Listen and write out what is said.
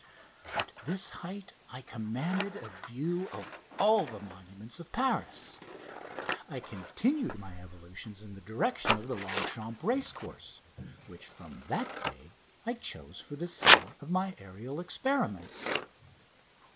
At this height I commanded a view of all the monuments of Paris. I continued my evolutions in the direction of the Longchamps racecourse, which from that day I chose for the scene of my aerial experiments.